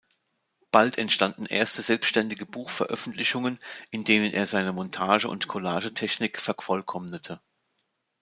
Bald entstanden erste selbständige Buchveröffentlichungen, in denen er seine Montage- und Collage-Technik vervollkommnete.